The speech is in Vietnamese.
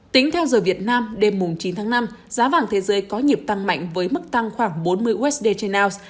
tính theo giờ việt nam đêm chín tháng năm giá vàng thế giới có nhịp tăng mạnh với mức tăng khoảng bốn mươi usd trên once